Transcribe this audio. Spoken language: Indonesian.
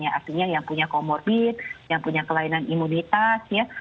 artinya yang punya komorbid yang punya kelainan imunitas